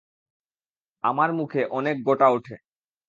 আমার মুখে অনেক গোটা উঠে।